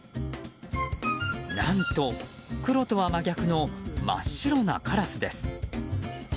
何と、黒とは真逆の真っ白なカラスです。